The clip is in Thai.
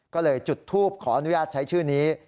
ก็เลยจุดทูปขออนุญาตใช้ชื่อนี้